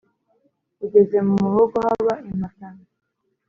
Ugeze mu muhogo haba impatanwa;